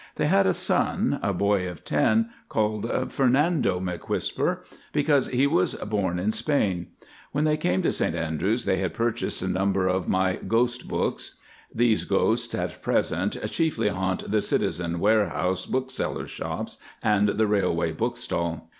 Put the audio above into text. They had a son, a boy of ten, called Fernando M'Whisker, because he was born in Spain. When they came to St Andrews they had purchased a number of my "Ghost Books." (These ghosts at present chiefly haunt the Citizen Warehouse, booksellers' shops, and the railway bookstall.)